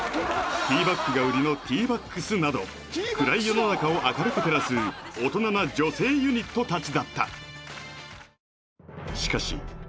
Ｔバックが売りのＴ−ＢＡＣＫＳなど暗い世の中を明るく照らす大人な女性ユニットたちだった